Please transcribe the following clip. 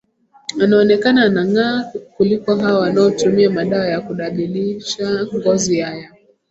anaonekana anangaa kuliko hawa wanaotumia madawa ya kudadilisha ngozi ya ya